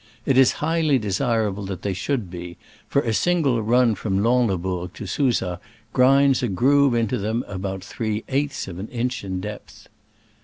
It is highly desirable that they should be, for a single run from Lanslebourg to Susa grinds a groove into them about three eighths of an inch in depth.